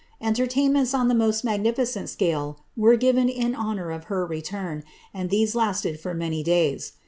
Entertainments on ik most magnificent scale were given in honour of her return, and tlNM lasted for many days.